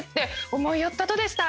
思いよったとですたい